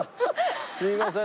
すいません。